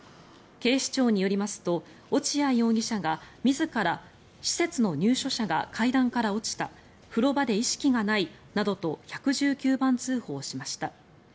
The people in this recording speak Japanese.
警視庁によりますと落合容疑者が自ら施設の入所者が階段から落ちた風呂場で意識がないなどと１１９番通報しました。